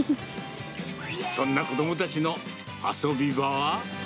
そんな子どもたちの遊び場は。